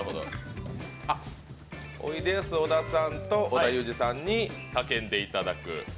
おいでやす小田さんと織田さんに叫んでいただく。